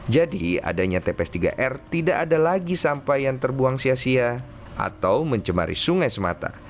jadi adanya tps tiga r tidak ada lagi sampah yang terbuang sia sia atau mencemari sungai semata